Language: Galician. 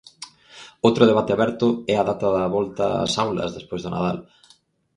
Outro debate aberto é a data da volta ás aulas despois do Nadal.